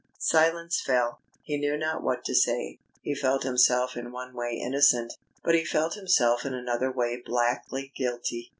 Silence fell. He knew not what to say. He felt himself in one way innocent, but he felt himself in another way blackly guilty.